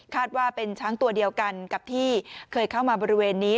ว่าเป็นช้างตัวเดียวกันกับที่เคยเข้ามาบริเวณนี้